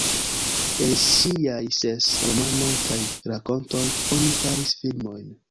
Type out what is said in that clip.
El ŝiaj ses romanoj kaj rakontoj oni faris filmojn.